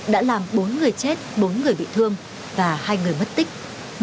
đã làm bốn người chết bốn người bị thương và hai người mất tích